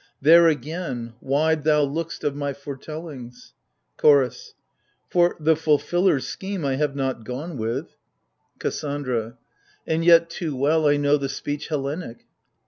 There again, wide thou look'st of my foretellings CHORDS. For, the fulfiller's scheme I have not gone with. AGAMEMNON, 107 KASSANDRA. And yet too well I know the speech Hellenic.